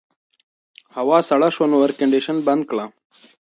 هوا سړه شوه نو اېرکنډیشن بند کړه.